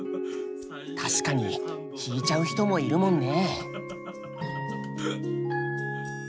確かに引いちゃう人もいるもんね。